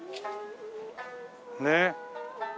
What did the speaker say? ねえ。